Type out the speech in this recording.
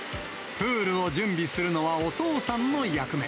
プールを準備するのはお父さんの役目。